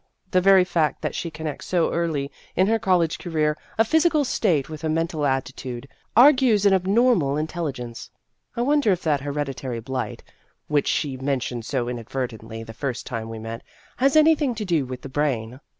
The very fact that she connects so early in her college career a physical state with a mental attitude, argues an abnormal intelligence. I won der if that hereditary blight, which she mentioned so inadvertently the first time we met, has anything to do with the brain.